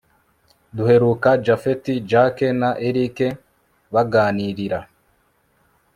duheruka japhet, jack na erick baganirira